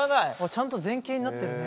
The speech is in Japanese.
ちゃんと全景になってるね